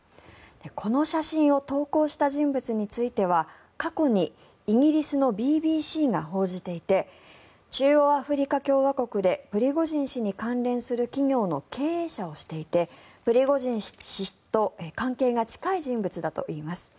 この写真を投稿した人物については過去にイギリスのＢＢＣが報じていて中央アフリカ共和国でプリゴジン氏に関連する企業の経営者をしていてプリゴジン氏と関係が近い人物だといいます。